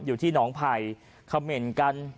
อยู่ที่หนองไผ่คำเหม็นกัน